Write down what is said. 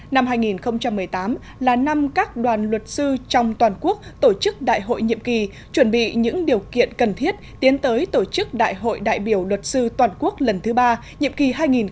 năm hai nghìn một mươi tám là năm các đoàn luật sư trong toàn quốc tổ chức đại hội nhiệm kỳ chuẩn bị những điều kiện cần thiết tiến tới tổ chức đại hội đại biểu luật sư toàn quốc lần thứ ba nhiệm kỳ hai nghìn hai mươi hai nghìn hai mươi năm